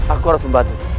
aku harus membantu